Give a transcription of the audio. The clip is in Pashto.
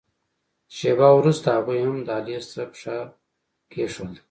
شېبه وروسته هغوی هم دهلېز ته پښه کېښوده.